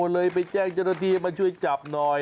เลยไปแจ้งจรภิมาช่วยจับหน่อย